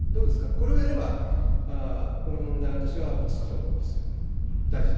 これをやればこの問題、私は落ち着くと思うんですけれども、大臣。